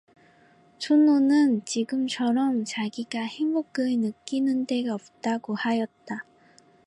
춘우는 지금처럼 자기가 행복을 느끼는 때가 없다고 하였다.